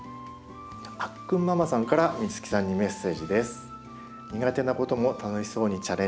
あっくんママさんから美月さんにメッセージです。